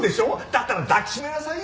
だったら抱き締めなさいよ！